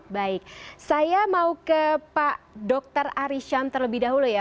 baik saya mau ke pak dr arisham terlebih dahulu ya